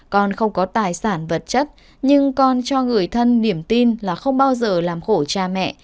con không có tài sản vật chất nhưng con cho người thân niềm tin là không bao giờ làm khổ cha mẹ